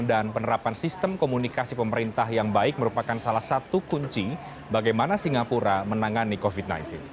dan penerapan sistem komunikasi pemerintah yang baik merupakan salah satu kunci bagaimana singapura menangani covid sembilan belas